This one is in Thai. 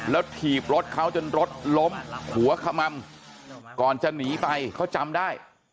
แล้วถีบรถเขาจนรถล้มหัวขม่ำก่อนจะหนีไปเขาจำได้